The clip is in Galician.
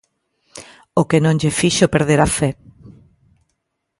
O que non lle fixo perder a fe.